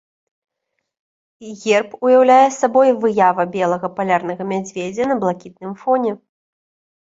Герб уяўляе сабой выява белага палярнага мядзведзя на блакітным фоне.